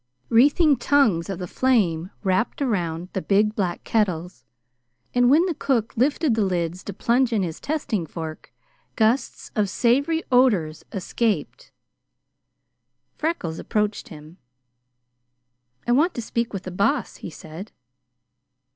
Wreathing tongues of flame wrapped around the big black kettles, and when the cook lifted the lids to plunge in his testing fork, gusts of savory odors escaped. Freckles approached him. "I want to speak with the Boss," he said.